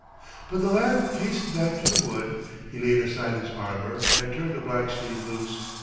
But the lad hastened back to the wood; he laid aside his armor and turned the black steed loose.